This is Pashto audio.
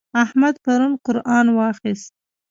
احمد پرون قرآن واخيست.